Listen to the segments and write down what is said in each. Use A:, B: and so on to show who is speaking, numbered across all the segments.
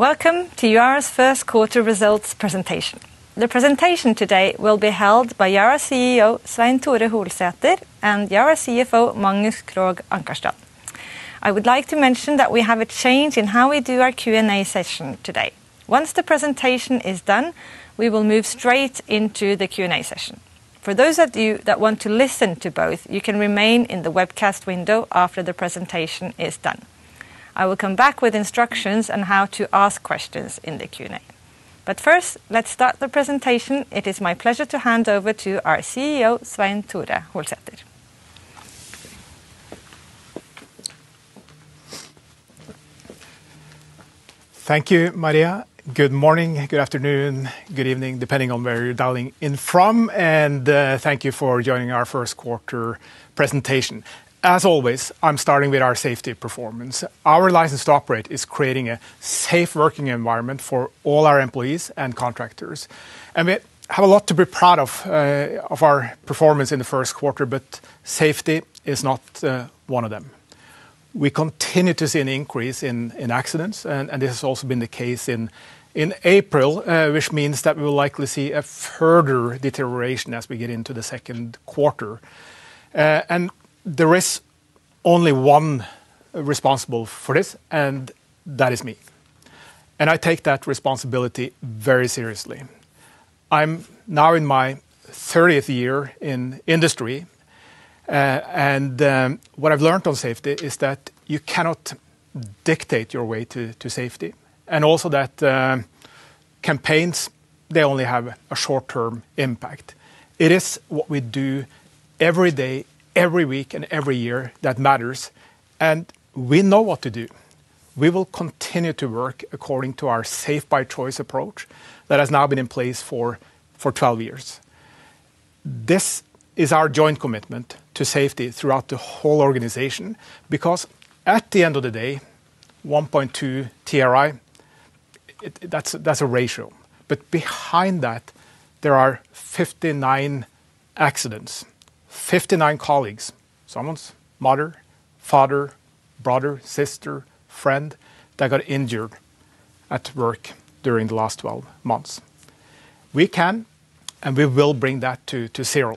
A: Welcome to Yara's first quarter results presentation. The presentation today will be held by Yara CEO, Svein Tore Holsether, and Yara CFO, Magnus Krogh Ankarstrand. I would like to mention that we have a change in how we do our Q&A session today. Once the presentation is done, we will move straight into the Q&A session. For those of you that want to listen to both, you can remain in the webcast window after the presentation is done. I will come back with instructions on how to ask questions in the Q&A. First, let's start the presentation. It is my pleasure to hand over to our CEO, Svein Tore Holsether.
B: Thank you, Maria. Good morning, good afternoon, good evening, depending on where you're dialing in from, and thank you for joining our first quarter presentation. As always, I'm starting with our safety performance. Our license to operate is creating a safe working environment for all our employees and contractors. We have a lot to be proud of our performance in the first quarter, but safety is not one of them. We continue to see an increase in accidents, and this has also been the case in April, which means that we will likely see a further deterioration as we get into the second quarter. There is only one responsible for this, and that is me. I take that responsibility very seriously. I'm now in my 30th year in industry, and what I've learned on safety is that you cannot dictate your way to safety, and also that campaigns, they only have a short-term impact. It is what we do every day, every week, and every year, that matters, and we know what to do. We will continue to work according to our Safe by Choice approach that has now been in place for 12 years. This is our joint commitment to safety throughout the whole organization because at the end of the day, 1.2 TRI, that's a ratio. Behind that, there are 59 accidents, 59 colleagues, someone's mother, father, brother, sister, friend, that got injured at work during the last 12 months. We can and we will bring that to zero.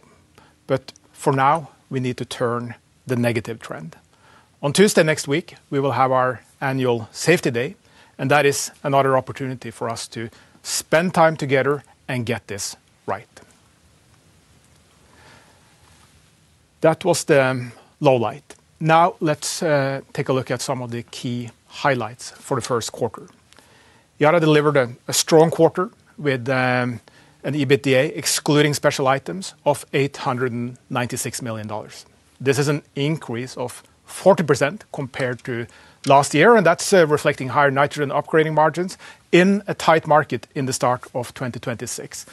B: For now, we need to turn the negative trend. On Tuesday next week, we will have our annual safety day, and that is another opportunity for us to spend time together and get this right. That was the lowlight. Now, let's take a look at some of the key highlights for the first quarter. Yara delivered a strong quarter with an EBITDA, excluding special items, of $896 million. This is an increase of 40% compared to last year, and that's reflecting higher nitrogen operating margins in a tight market in the start of 2026.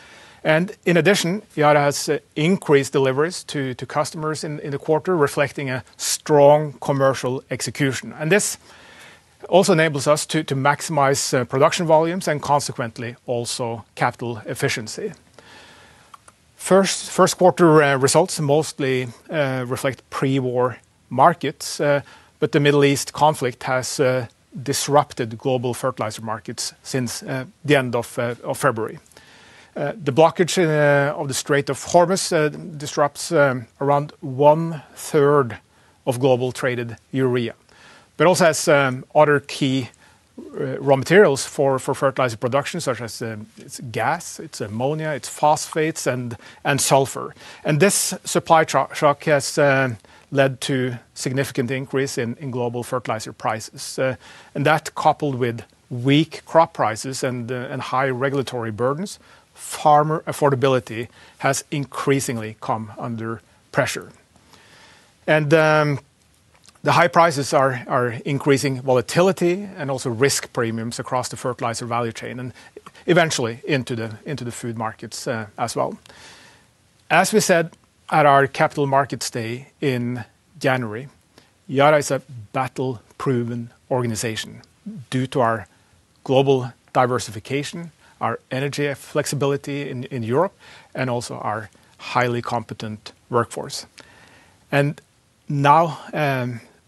B: In addition, Yara has increased deliveries to customers in the quarter, reflecting a strong commercial execution. This also enables us to maximize production volumes and consequently also capital efficiency. First quarter results mostly reflect pre-war markets, but the Middle East conflict has disrupted global fertilizer markets since the end of February. The blockage of the Strait of Hormuz disrupts around one-third of global traded Urea but also affects other key raw materials for fertilizer production, such as gas, its Ammonia, its Phosphates, and Sulfur. This supply shock has led to significant increase in global fertilizer prices. That coupled with weak crop prices and high regulatory burdens, farmer affordability has increasingly come under pressure. The high prices are increasing volatility and also risk premiums across the fertilizer value chain and eventually into the food markets as well. As we said at our Capital Markets Day in January, Yara is a battle-proven organization due to our global diversification, our energy flexibility in Europe, and also our highly competent workforce. Now,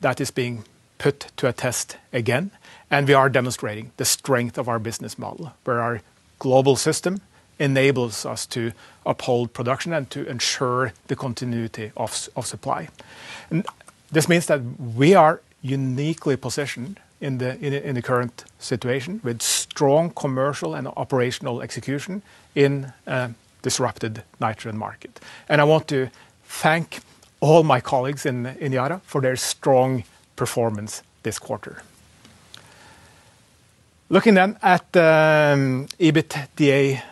B: that is being put to a test again, and we are demonstrating the strength of our business model, where our global system enables us to uphold production and to ensure the continuity of supply. This means that we are uniquely positioned in the current situation with strong commercial and operational execution in a disrupted nitrogen market. I want to thank all my colleagues in Yara for their strong performance this quarter. Looking then at the EBITDA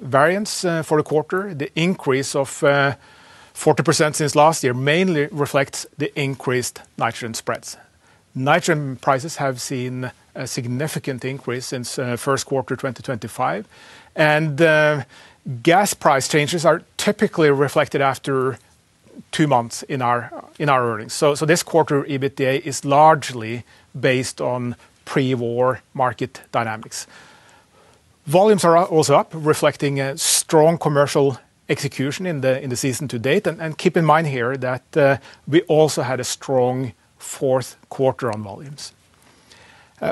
B: variance for the quarter, the increase of 40% since last year mainly reflects the increased nitrogen spreads. Nitrogen prices have seen a significant increase since first quarter 2025, and gas price changes are typically reflected after two months in our earnings. This quarter, EBITDA is largely based on pre-war market dynamics. Volumes are also up, reflecting a strong commercial execution in the season to date. Keep in mind here that we also had a strong fourth quarter on volumes.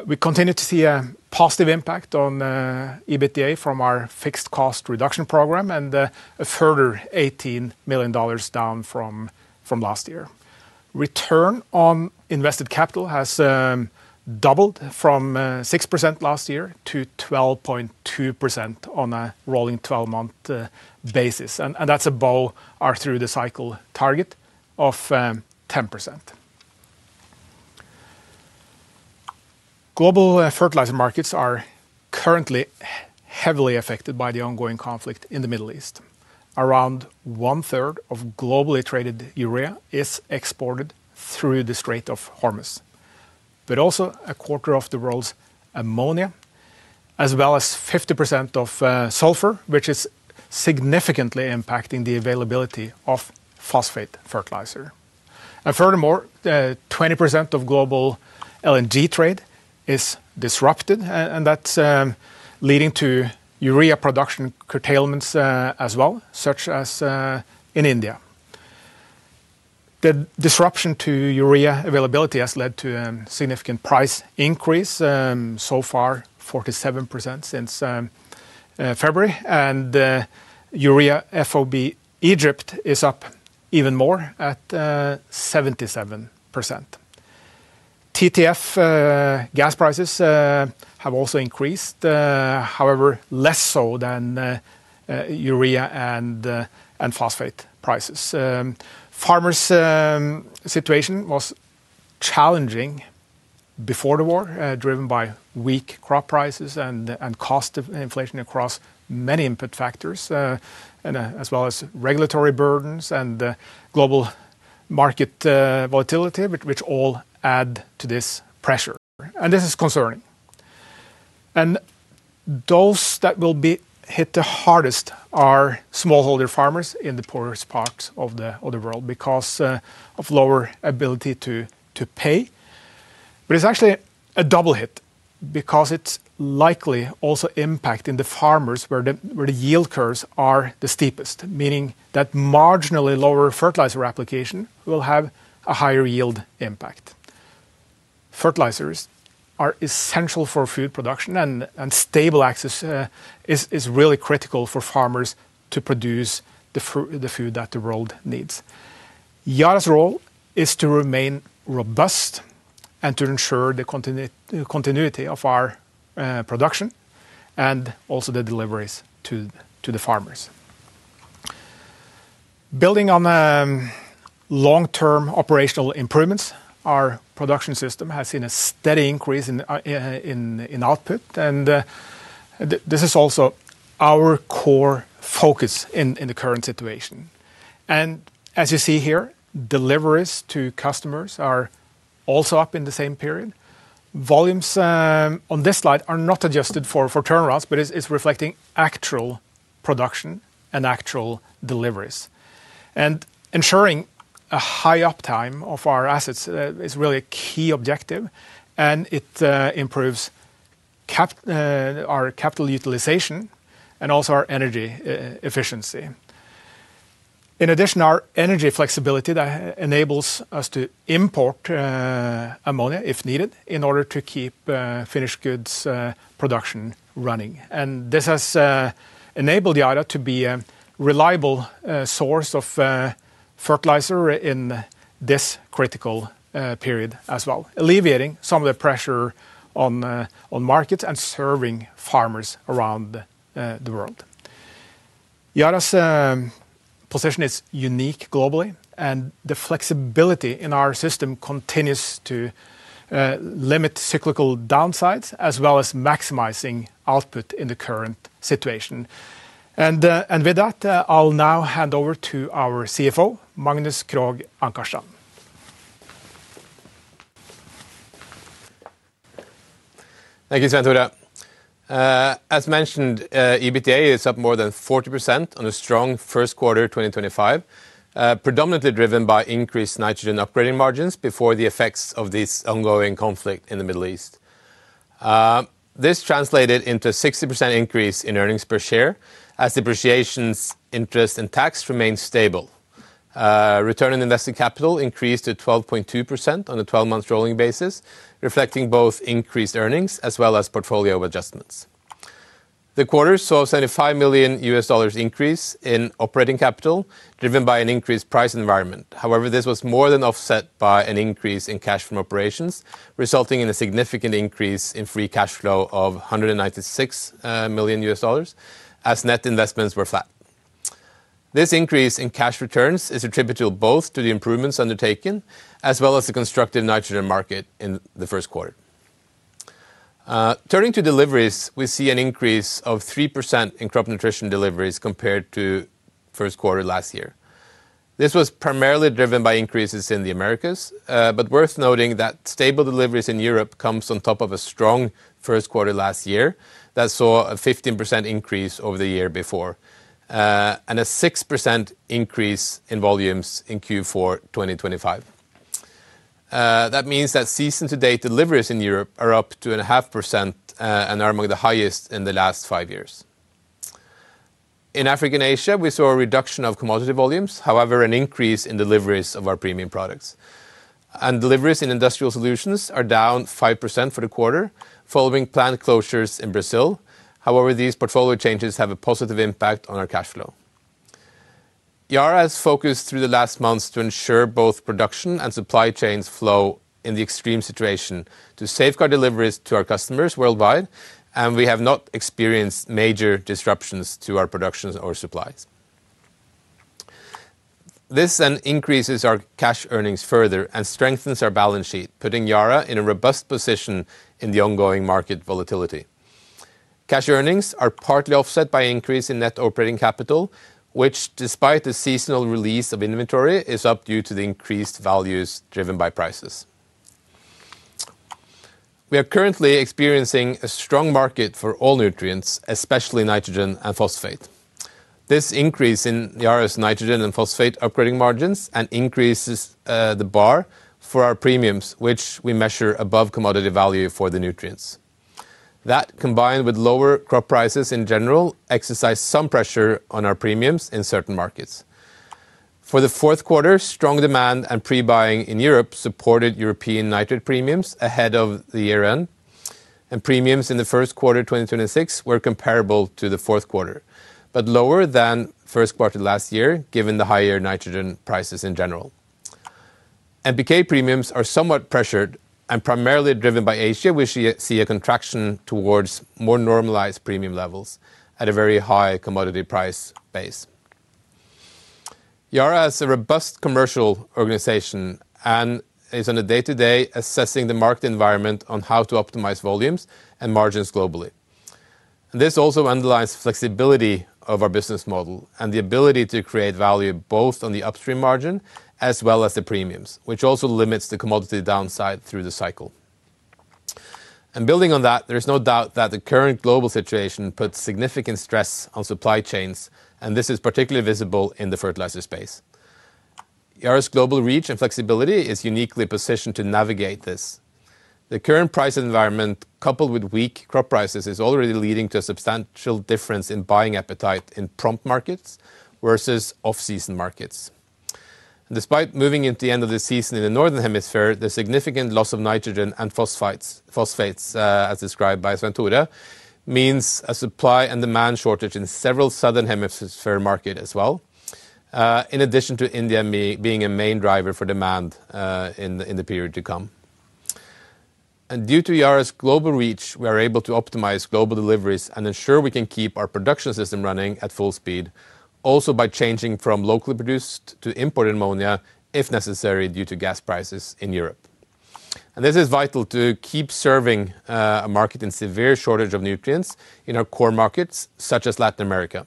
B: We continue to see a positive impact on EBITDA from our fixed cost reduction program and a further $18 million down from last year. Return on invested capital has doubled from 6% last year to 12.2% on a rolling 12-month basis, and that's above our through-the-cycle target of 10%. Global fertilizer markets are currently heavily affected by the ongoing conflict in the Middle East. Around one-third of globally traded urea is exported through the Strait of Hormuz, but also one-fourth of the world's ammonia, as well as 50% of sulfur, which is significantly impacting the availability of phosphate fertilizer. Furthermore, 20% of global LNG trade is disrupted, and that's leading to urea production curtailments as well, such as in India. The disruption to urea availability has led to a significant price increase, so far 47% since February, and urea FOB Egypt is up even more at 77%. TTF gas prices have also increased, however, less so than urea and phosphate prices. Farmers' situation was challenging before the war, driven by weak crop prices and cost of inflation across many input factors, as well as regulatory burdens and global market volatility, which all add to this pressure. This is concerning. Those that will be hit the hardest are smallholder farmers in the poorest parts of the world because of lower ability to pay. It's actually a double hit because it's likely also impacting the farmers where the yield curves are the steepest, meaning that marginally lower fertilizer application will have a higher yield impact. Fertilizers are essential for food production, and stable access is really critical for farmers to produce the food that the world needs. Yara's role is to remain robust and to ensure the continuity of our production and also the deliveries to the farmers. Building on the long-term operational improvements, our production system has seen a steady increase in output, and this is also our core focus in the current situation. As you see here, deliveries to customers are also up in the same period. Volumes on this slide are not adjusted for turnarounds, but it's reflecting actual production and actual deliveries. Ensuring a high uptime of our assets is really a key objective, and it improves our capital utilization and also our energy efficiency. In addition, our energy flexibility that enables us to import Ammonia if needed in order to keep finished goods production running. This has enabled Yara to be a reliable source of fertilizer in this critical period as well, alleviating some of the pressure on markets and serving farmers around the world. Yara's position is unique globally, and the flexibility in our system continues to limit cyclical downsides, as well as maximizing output in the current situation. With that, I'll now hand over to our CFO, Magnus Krogh Ankarstrand.
C: Thank you, Svein Tore. As mentioned, EBITDA is up more than 40% on a strong first quarter 2025, predominantly driven by increased nitrogen operating margins before the effects of this ongoing conflict in the Middle East. This translated into a 60% increase in earnings per share as depreciation, interest, and taxes remained stable. Return on invested capital increased to 12.2% on a 12-month rolling basis, reflecting both increased earnings as well as portfolio adjustments. The quarter saw a $75 million increase in operating capital, driven by an increased price environment. However, this was more than offset by an increase in cash from operations, resulting in a significant increase in free cash flow of $196 million, as net investments were flat. This increase in cash returns is attributable both to the improvements undertaken as well as the constructive nitrogen market in the first quarter. Turning to deliveries, we see an increase of 3% in crop nutrition deliveries compared to first quarter last year. This was primarily driven by increases in the Americas, but worth noting that stable deliveries in Europe comes on top of a strong first quarter last year that saw a 15% increase over the year before, and a 6% increase in volumes in Q4 2025. That means that season-to-date deliveries in Europe are up 2.5% and are among the highest in the last five years. In Africa and Asia, we saw a reduction of commodity volumes, however, an increase in deliveries of our premium products. Deliveries in industrial solutions are down 5% for the quarter following plant closures in Brazil. However, these portfolio changes have a positive impact on our cash flow. Yara has focused through the last months to ensure both production and supply chains flow in the extreme situation to safeguard deliveries to our customers worldwide, and we have not experienced major disruptions to our productions or supplies. This then increases our cash earnings further and strengthens our balance sheet, putting Yara in a robust position in the ongoing market volatility. Cash earnings are partly offset by increase in net operating capital, which, despite the seasonal release of inventory, is up due to the increased values driven by prices. We are currently experiencing a strong market for all nutrients, especially nitrogen and phosphate. This increase in Yara's nitrogen and phosphate operating margins and increases the bar for our premiums, which we measure above commodity value for the nutrients. That, combined with lower crop prices in general, exerts some pressure on our premiums in certain markets. For the fourth quarter, strong demand and pre-buying in Europe supported European nitrate premiums ahead of the year-end, and premiums in the first quarter 2026 were comparable to the fourth quarter, but lower than first quarter last year given the higher nitrogen prices in general. PK premiums are somewhat pressured and primarily driven by Asia, which see a contraction towards more normalized premium levels at a very high commodity price base. Yara has a robust commercial organization and is on a day-to-day assessing the market environment on how to optimize volumes and margins globally. This also underlies flexibility of our business model and the ability to create value both on the upstream margin as well as the premiums, which also limits the commodity downside through the cycle. Building on that, there is no doubt that the current global situation puts significant stress on supply chains, and this is particularly visible in the fertilizer space. Yara's global reach and flexibility is uniquely positioned to navigate this. The current price environment, coupled with weak crop prices, is already leading to a substantial difference in buying appetite in prompt markets versus off-season markets. Despite moving into the end of the season in the northern hemisphere, the significant loss of nitrogen and phosphates, as described by Svein Tore, means a supply and demand shortage in several southern hemisphere market as well, in addition to India being a main driver for demand in the period to come. Due to Yara's global reach, we are able to optimize global deliveries and ensure we can keep our production system running at full speed, also by changing from locally produced to imported ammonia if necessary due to gas prices in Europe. This is vital to keep serving a market in severe shortage of nutrients in our core markets such as Latin America.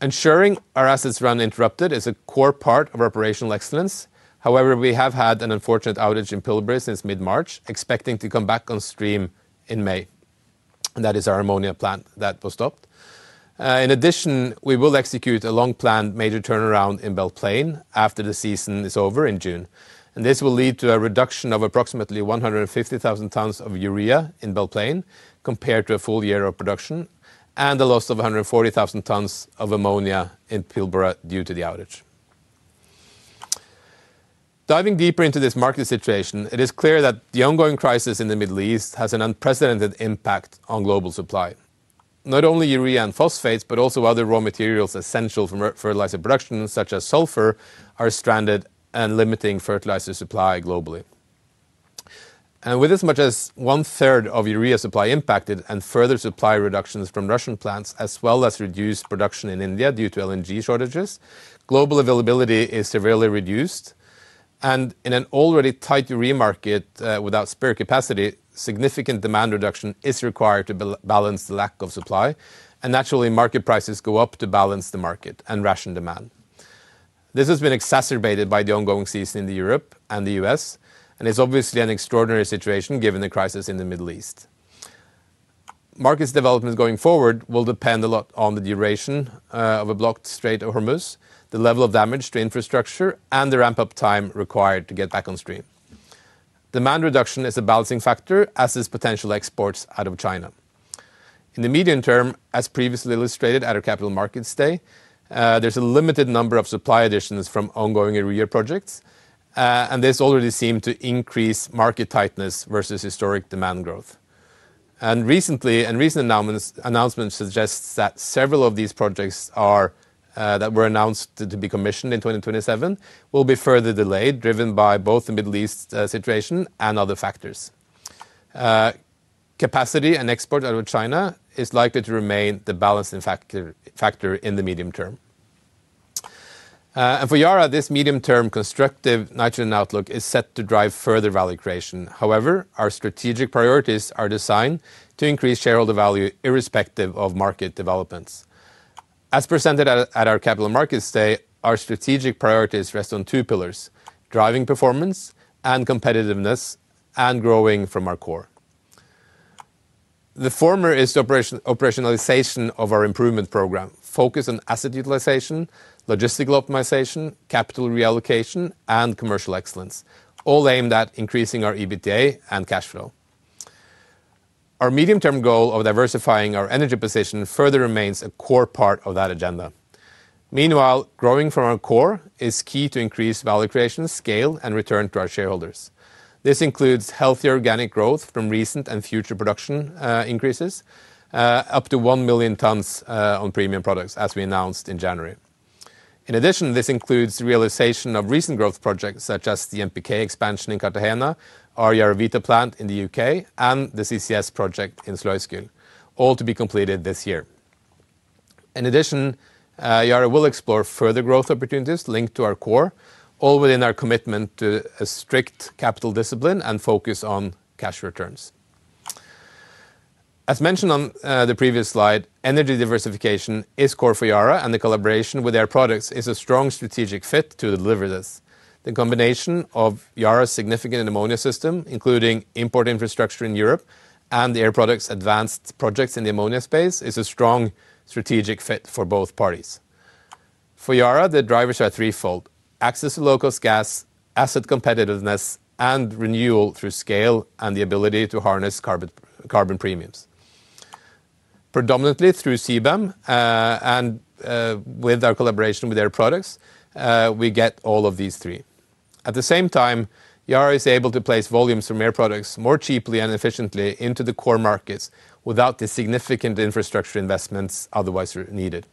C: Ensuring our assets run uninterrupted is a core part of operational excellence. However, we have had an unfortunate outage in Pilbara since mid-March, expecting to come back on stream in May. That is our ammonia plant that was stopped. In addition, we will execute a long-planned major turnaround in Belle Plaine after the season is over in June. This will lead to a reduction of approximately 150,000 tons of urea in Belle Plaine compared to a full year of production, and the loss of 140,000 tons of ammonia in Pilbara due to the outage. Diving deeper into this market situation, it is clear that the ongoing crisis in the Middle East has an unprecedented impact on global supply. Not only urea and phosphates, but also other raw materials essential for fertilizer production, such as sulfur, are stranded and limiting fertilizer supply globally. With as much as one-third of urea supply impacted and further supply reductions from Russian plants, as well as reduced production in India due to LNG shortages, global availability is severely reduced. In an already tight urea market without spare capacity, significant demand reduction is required to balance the lack of supply, and naturally, market prices go up to balance the market and ration demand. This has been exacerbated by the ongoing season in Europe and the U.S., and it's obviously an extraordinary situation given the crisis in the Middle East. Market developments going forward will depend a lot on the duration of a blocked Strait of Hormuz, the level of damage to infrastructure, and the ramp-up time required to get back on stream. Demand reduction is a balancing factor, as is potential exports out of China. In the medium term, as previously illustrated at our capital markets day, there's a limited number of supply additions from ongoing urea projects, and this already seem to increase market tightness versus historic demand growth. Recent announcements suggest that several of these projects that were announced to be commissioned in 2027 will be further delayed, driven by both the Middle East situation and other factors. Capacity and export out of China is likely to remain the balancing factor in the medium term. For Yara, this medium-term constructive nitrogen outlook is set to drive further value creation. However, our strategic priorities are designed to increase shareholder value irrespective of market developments. As presented at our Capital Markets Day, our strategic priorities rest on two pillars, driving performance and competitiveness, and growing from our core. The former is the operationalization of our improvement program, focused on asset utilization, logistical optimization, capital reallocation, and commercial excellence, all aimed at increasing our EBITDA and cash flow. Our medium-term goal of diversifying our energy position further remains a core part of that agenda. Meanwhile, growing from our core is key to increase value creation, scale, and return to our shareholders. This includes healthy organic growth from recent and future production increases, up to 1 million tons on premium products, as we announced in January. In addition, this includes realization of recent growth projects such as the NPK expansion in Cartagena, our YaraVita plant in the U.K., and the CCS project in Sluiskil, all to be completed this year. In addition, Yara will explore further growth opportunities linked to our core, all within our commitment to a strict capital discipline and focus on cash returns. As mentioned on the previous slide, energy diversification is core for Yara, and the collaboration with Air Products is a strong strategic fit to deliver this. The combination of Yara's significant ammonia system, including import infrastructure in Europe, and the Air Products advanced projects in the ammonia space is a strong strategic fit for both parties. For Yara, the drivers are threefold, access to low-cost gas, asset competitiveness, and renewal through scale and the ability to harness carbon premiums. Predominantly through CBAM, and with our collaboration with Air Products, we get all of these three. At the same time, Yara is able to place volumes from Air Products more cheaply and efficiently into the core markets without the significant infrastructure investments otherwise needed.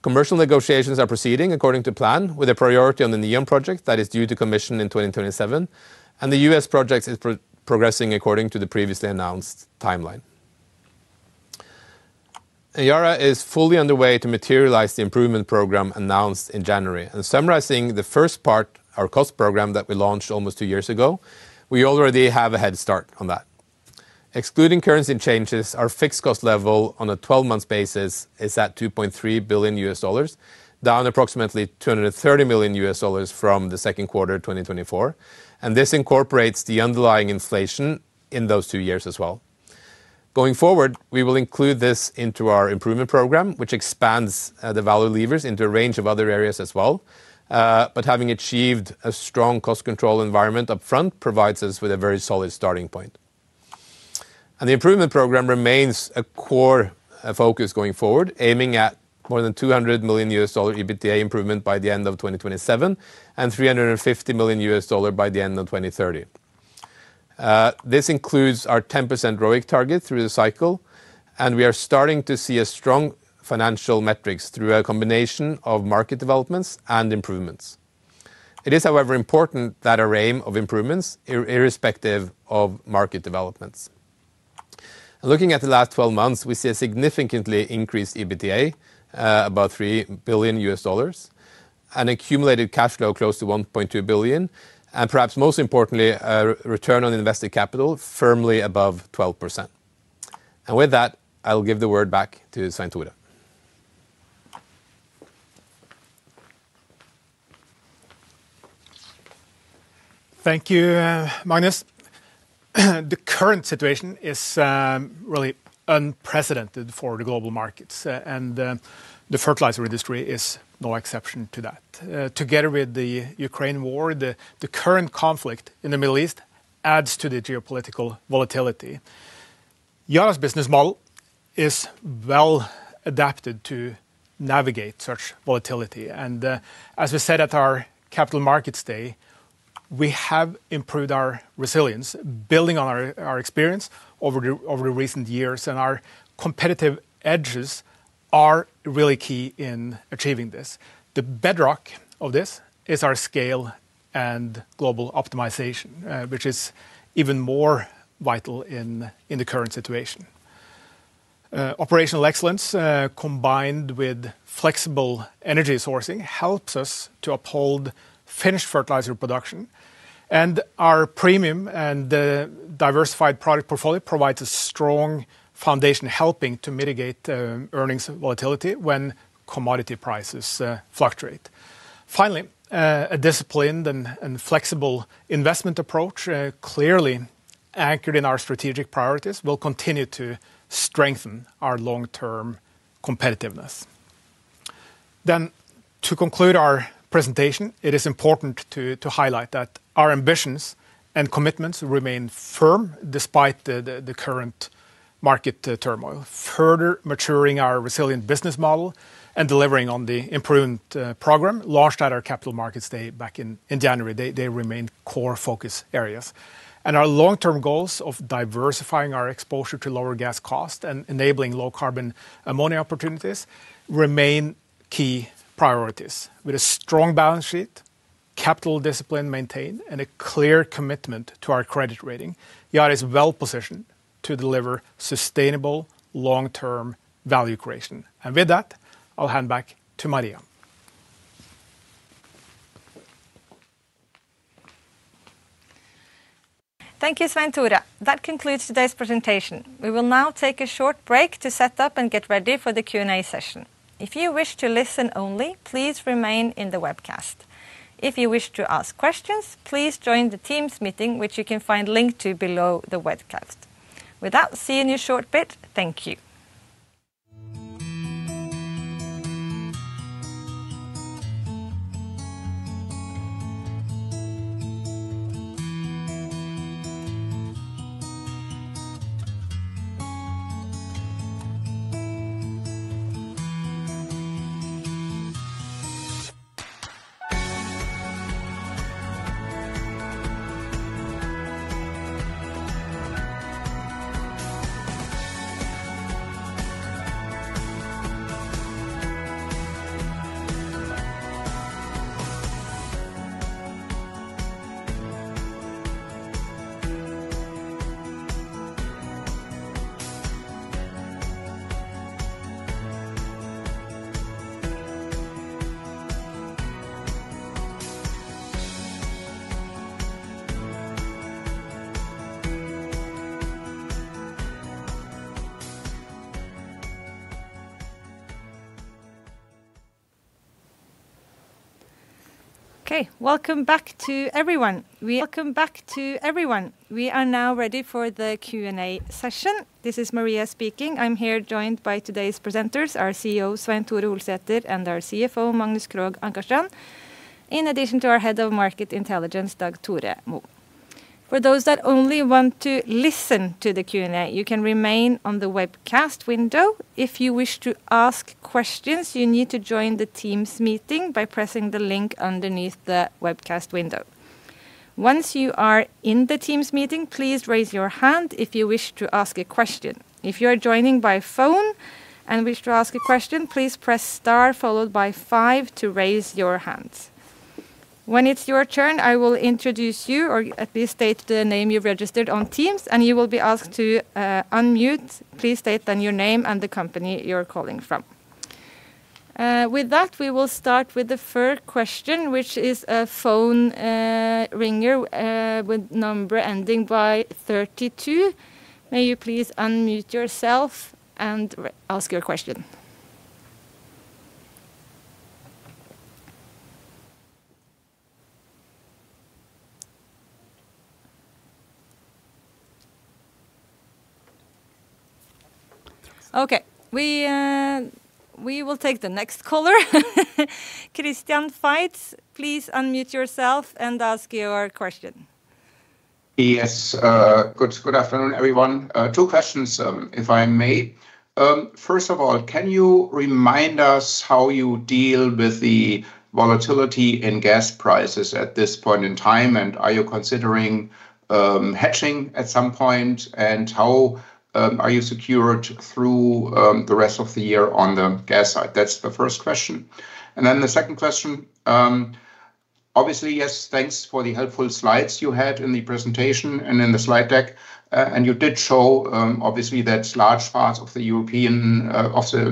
C: Commercial negotiations are proceeding according to plan with a priority on the Neom project that is due to commission in 2027, and the U.S. project is progressing according to the previously announced timeline. Yara is fully underway to materialize the improvement program announced in January. Summarizing the first part, our cost program that we launched almost two years ago, we already have a head start on that. Excluding currency changes, our fixed cost level on a 12-month basis is at $2.3 billion, down approximately $230 million from the second quarter 2024, and this incorporates the underlying inflation in those two years as well. Going forward, we will include this into our improvement program, which expands the value levers into a range of other areas as well. Having achieved a strong cost control environment up front provides us with a very solid starting point. The improvement program remains a core focus going forward, aiming at more than $200 million EBITDA improvement by the end of 2027 and $350 million by the end of 2030. This includes our 10% ROIC target through the cycle, and we are starting to see strong financial metrics through a combination of market developments and improvements. It is, however, important that we aim for improvements irrespective of market developments. Looking at the last 12 months, we see a significantly increased EBITDA, about $3 billion, an accumulated cash flow close to $1.2 billion, and perhaps most importantly, a return on invested capital firmly above 12%. With that, I will give the word back to Svein Tore.
B: Thank you, Magnus. The current situation is really unprecedented for the global markets, and the fertilizer industry is no exception to that. Together with the Ukraine war, the current conflict in the Middle East adds to the geopolitical volatility. Yara's business model is well adapted to navigate such volatility. As we said at our Capital Markets Day, we have improved our resilience, building on our experience over the recent years, and our competitive edges are really key in achieving this. The bedrock of this is our scale and global optimization, which is even more vital in the current situation. Operational excellence, combined with flexible energy sourcing, helps us to uphold finished fertilizer production, and our premium and diversified product portfolio provides a strong foundation, helping to mitigate earnings volatility when commodity prices fluctuate. Finally, a disciplined and flexible investment approach, clearly anchored in our strategic priorities, will continue to strengthen our long-term competitiveness. To conclude our presentation, it is important to highlight that our ambitions and commitments remain firm despite the current market turmoil. Further maturing our resilient business model and delivering on the improvement program launched at our Capital Markets Day back in January, they remain core focus areas. Our long-term goals of diversifying our exposure to lower gas cost and enabling low carbon ammonia opportunities remain key priorities. With a strong balance sheet, capital discipline maintained, and a clear commitment to our credit rating, Yara is well positioned to deliver sustainable long-term value creation. With that, I'll hand back to Maria.
A: Thank you, Svein Tore. That concludes today's presentation. We will now take a short break to set up and get ready for the Q&A session. If you wish to listen only, please remain in the webcast. If you wish to ask questions, please join the Teams meeting, which you can find linked to below the webcast. With that, see you in a short bit. Thank you. Okay, welcome back to everyone. We are now ready for the Q&A session. This is Maria speaking. I'm here joined by today's presenters, our CEO, Svein Tore Holsether, and our CFO, Magnus Krogh Ankarstrand, in addition to our Head of Market Intelligence, Dag Tore Mo. For those that only want to listen to the Q&A, you can remain on the webcast window. If you wish to ask questions, you need to join the Teams meeting by pressing the link underneath the webcast window. Once you are in the Teams meeting, please raise your hand if you wish to ask a question. If you are joining by phone and wish to ask a question, please press star followed by five to raise your hand. When it's your turn, I will introduce you or at least state the name you registered on Teams, and you will be asked to unmute. Please state your name and the company you're calling from. With that, we will start with the first question, which is the caller with number ending in 32. May you please unmute yourself and ask your question. Okay. We will take the next caller. Christian Faitz, please unmute yourself and ask your question.
D: Yes. Good afternoon, everyone. Two questions, if I may. First of all, can you remind us how you deal with the volatility in gas prices at this point in time? Are you considering hedging at some point? How are you secured through the rest of the year on the gas side? That's the first question. Then the second question, obviously, yes, thanks for the helpful slides you had in the presentation and in the slide deck. You did show, obviously, that large parts of Europe and the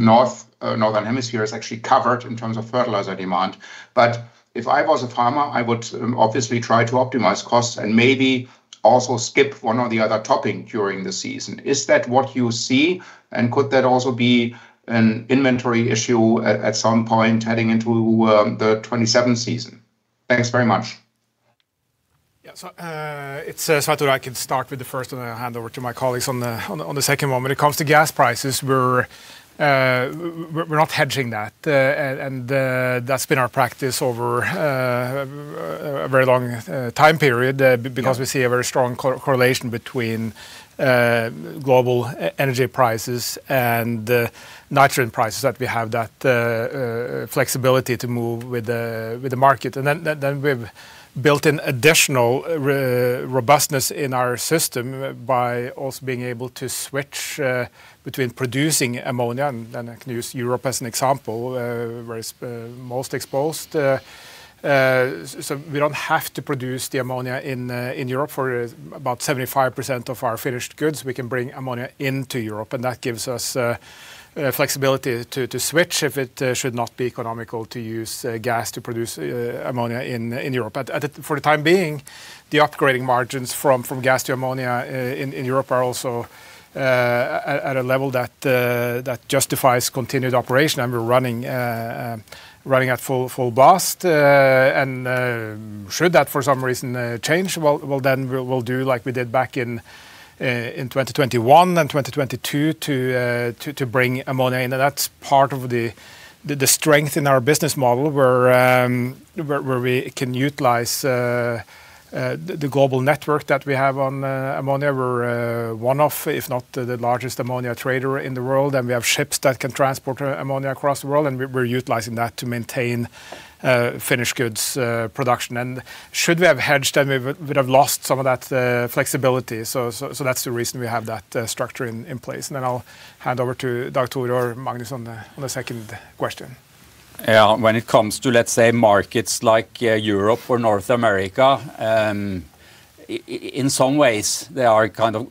D: northern hemisphere is actually covered in terms of fertilizer demand. If I was a farmer, I would obviously try to optimize costs and maybe also skip one or the other topping during the season. Is that what you see? Could that also be an inventory issue at some point heading into the 2027 season? Thanks very much.
B: Yeah. I thought I could start with the first one and hand over to my colleagues on the second one. When it comes to gas prices, we're not hedging that, and that's been our practice over a very long time period because we see a very strong correlation between global energy prices and nitrogen prices, that we have that flexibility to move with the market. We've built an additional robustness in our system by also being able to switch between producing ammonia, and I can use Europe as an example, where it's most exposed. We don't have to produce the ammonia in Europe. For about 75% of our finished goods, we can bring ammonia into Europe, and that gives us flexibility to switch if it should not be economical to use gas to produce ammonia in Europe. For the time being, the upgrading margins from gas to ammonia in Europe are also at a level that justifies continued operation, and we're running at full blast. Should that for some reason change, well, then we will do like we did back in 2021 and 2022 to bring ammonia in. That's part of the strength in our business model, where we can utilize the global network that we have on ammonia. We're one of, if not the largest, ammonia trader in the world, and we have ships that can transport ammonia across the world, and we're utilizing that to maintain finished goods production. Should we have hedged, then we would have lost some of that flexibility. That's the reason we have that structure in place. Then I'll hand over to Dag Tore or Magnus on the second question.
E: Yeah. When it comes to, let's say, markets like Europe or North America, in some ways, they are kind of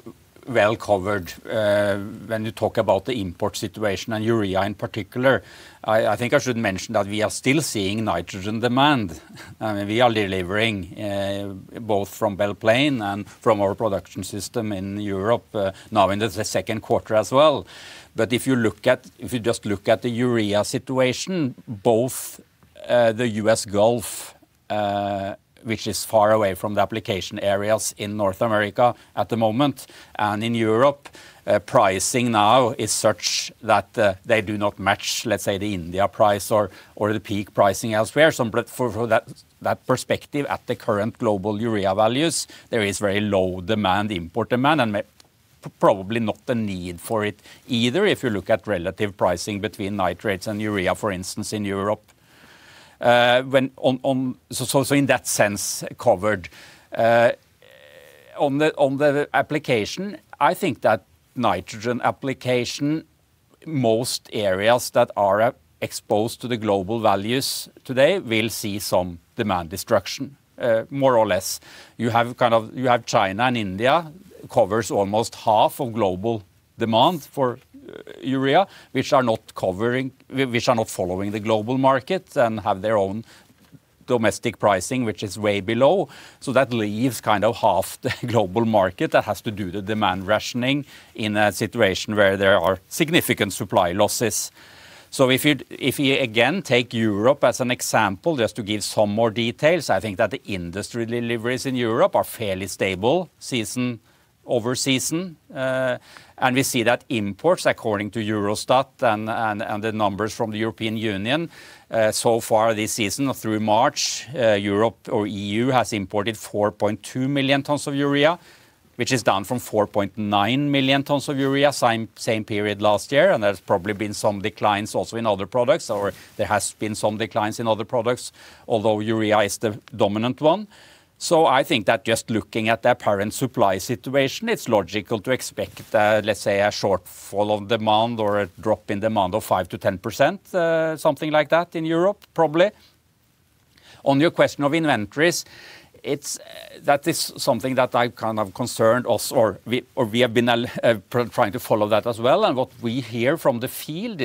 E: well covered, when you talk about the import situation and urea in particular. I think I should mention that we are still seeing nitrogen demand. We are delivering both from Belle Plaine and from our production system in Europe now into the second quarter as well. If you just look at the urea situation, both the U.S. Gulf, which is far away from the application areas in North America at the moment. And in Europe, pricing now is such that they do not match, let's say, the India price or the peak pricing elsewhere. From that perspective, at the current global Urea values, there is very low import demand, and probably not the need for it either if you look at relative pricing between nitrates and Urea, for instance, in Europe. In that sense, covered. On the application, I think that nitrogen application, most areas that are exposed to the global values today will see some demand destruction, more or less. You have China and India, covers almost half of global demand for Urea, which are not following the global market and have their own domestic pricing, which is way below. That leaves half the global market that has to do the demand rationing in a situation where there are significant supply losses. If you, again, take Europe as an example, just to give some more details, I think that the industry deliveries in Europe are fairly stable season-over-season. We see that imports, according to Eurostat and the numbers from the European Union, so far this season through March, Europe or EU has imported 4.2 million tons of Urea, which is down from 4.9 million tons of Urea, same period last year. There's probably been some declines also in other products, or there has been some declines in other products, although Urea is the dominant one. I think that just looking at the apparent supply situation, it's logical to expect, let's say, a shortfall of demand or a drop in demand of 5%-10%, something like that in Europe, probably. On your question of inventories, that is something that I'm concerned of, or we have been trying to follow that as well. What we hear from the field,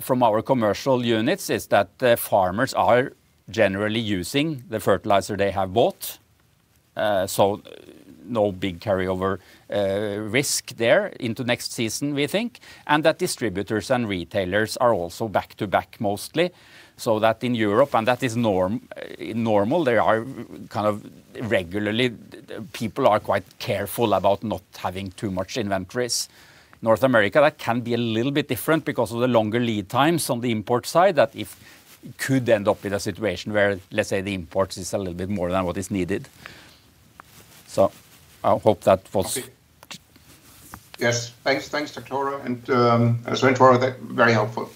E: from our commercial units, is that the farmers are generally using the fertilizer they have bought. No big carryover risk there into next season, we think. That distributors and retailers are also back-to-back mostly. That in Europe, and that is normal. There are regularly people are quite careful about not having too much inventories. North America, that can be a little bit different because of the longer lead times on the import side, that if it could end up in a situation where, let's say, the imports is a little bit more than what is needed. I hope that was-
D: Okay. Yes. Thanks, Dag Tore. As I went for, very helpful.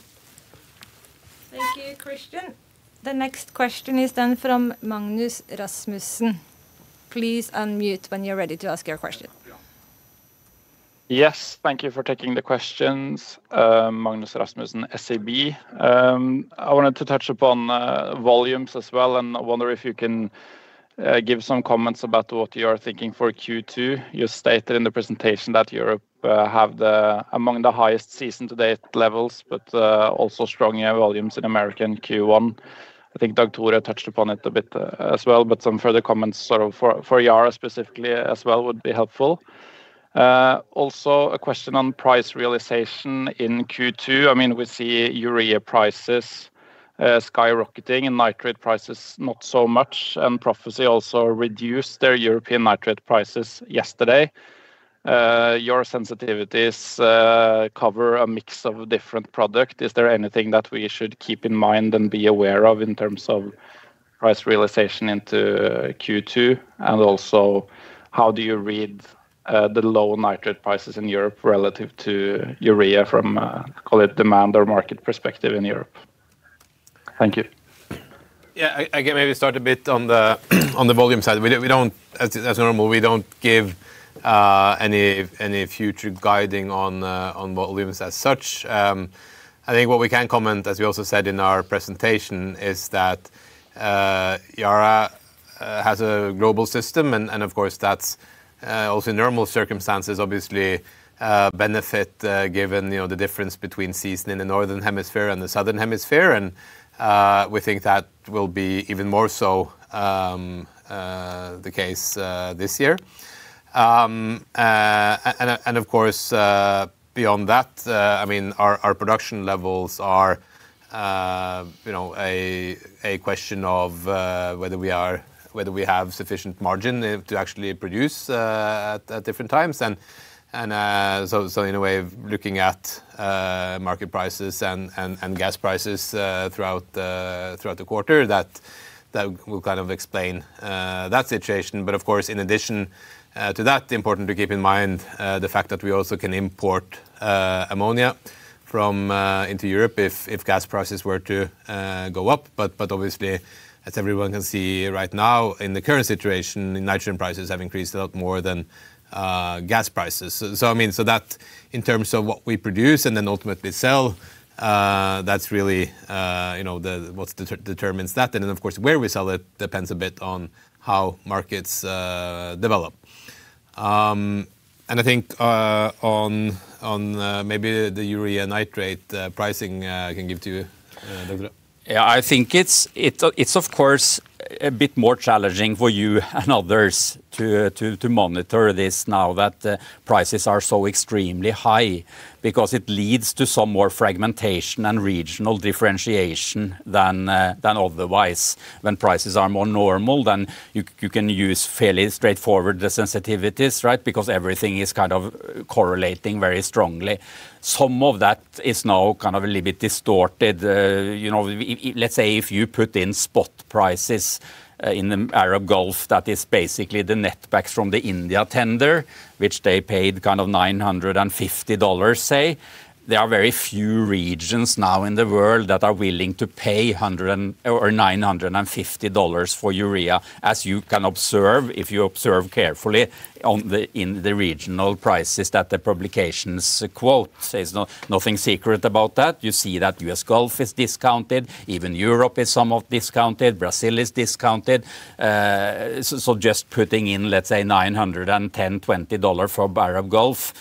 A: Thank you, Christian. The next question is then from Magnus Rasmussen. Please unmute when you're ready to ask your question.
F: Yes. Thank you for taking the questions. Magnus Rasmussen, SEB. I wanted to touch upon volumes as well, and I wonder if you can give some comments about what you are thinking for Q2. You stated in the presentation that Europe have among the highest season-to-date levels, but also strong volumes in Americas Q1. I think Dag Tore touched upon it a bit as well, but some further comments for Yara specifically as well would be helpful. Also, a question on price realization in Q2. We see urea prices skyrocketing and nitrate prices not so much, and Profercy also reduced their European nitrate prices yesterday. Your sensitivities cover a mix of different product. Is there anything that we should keep in mind and be aware of in terms of price realization into Q2? Also, how do you read the low Nitrate prices in Europe relative to Urea from, call it demand or market perspective in Europe? Thank you.
C: Yeah. I can maybe start a bit on the volume side. As normal, we don't give any future guidance on volumes as such. I think what we can comment, as we also said in our presentation, is that Yara has a global system, and of course, that's also normal circumstances, obviously benefit, given the difference between seasons in the Northern Hemisphere and the Southern Hemisphere. We think that will be even more so the case this year. Of course, beyond that, our production levels are a question of whether we have sufficient margin to actually produce at different times. In a way of looking at market prices and gas prices throughout the quarter, that will explain that situation. Of course, in addition to that, it is important to keep in mind the fact that we also can import ammonia into Europe if gas prices were to go up. Obviously, as everyone can see right now in the current situation, nitrogen prices have increased a lot more than gas prices. That in terms of what we produce and then ultimately sell, that's really what determines that. Then, of course, where we sell it depends a bit on how markets develop. I think on maybe the urea nitrate pricing, I can give to you, Dag Tore.
E: Yeah. I think it's of course a bit more challenging for you and others to monitor this now that the prices are so extremely high, because it leads to some more fragmentation and regional differentiation than otherwise. When prices are more normal, then you can use fairly straightforward sensitivities, right? Because everything is kind of correlating very strongly. Some of that is now kind of a little bit distorted. Let's say if you put in spot prices in the Arab Gulf, that is basically the net backs from the India tender, which they paid $950, say. There are very few regions now in the world that are willing to pay $950 for Urea, as you can observe, if you observe carefully in the regional prices that the publications quote. There's nothing secret about that. You see that U.S. Gulf is discounted. Even Europe is somewhat discounted. Brazil is discounted. Just putting in, let's say, $910, $920 for Arab Gulf,